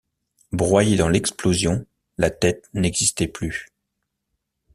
Broyée dans l’explosion, la tête n’existait plus.